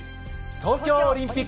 『東京オリンピック』。